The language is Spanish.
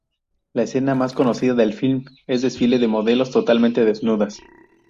La escena más conocida del film es el desfile de modelos totalmente desnudas.